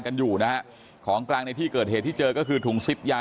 กันอยู่นะฮะของกลางในที่เกิดเหตุที่เจอก็คือถุงซิปยา